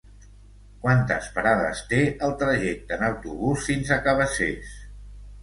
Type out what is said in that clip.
Quantes parades té el trajecte en autobús fins a Cabacés?